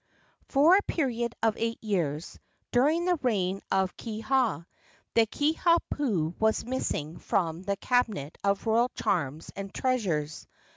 For a period of eight years, during the reign of Kiha, the Kiha pu was missing from the cabinet of royal charms and treasures.